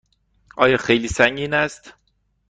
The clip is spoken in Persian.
آیا خیلی سنگین است؟